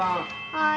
はい。